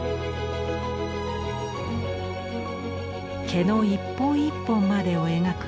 毛の一本一本までを描く